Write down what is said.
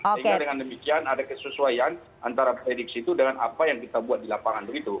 sehingga dengan demikian ada kesesuaian antara prediksi itu dengan apa yang kita buat di lapangan begitu